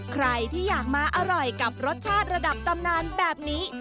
ใครที่อยากมาอร่อยกับรสชาติระดับตำนานแบบนี้